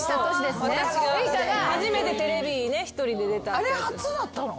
あれ初だったの？